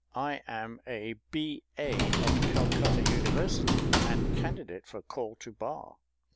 I am a B.A. of Calcutta University, and candidate for call to Bar.